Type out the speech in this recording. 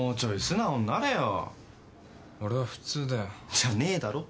じゃねえだろ。